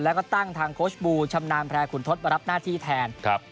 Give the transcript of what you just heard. แล้วก็ตั้งทางโค้ชบูชำนาญแพร่ขุนทศมารับหน้าที่แทนครับ